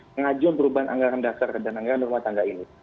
pengajuan perubahan anggaran dasar dan anggaran rumah tangga ini